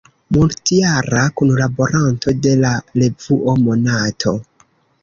Multjara kunlaboranto de la revuo "Monato".